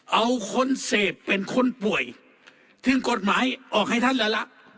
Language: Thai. เอาคนเสพเป็นคนป่วยถึงกฎหมายออกให้ท่านเลยละ